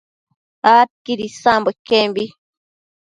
adquid isambo iquembi